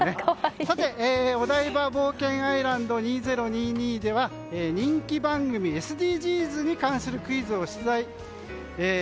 オダイバ冒険アイランド２０２２では人気番組、ＳＤＧｓに関するクイズを出題。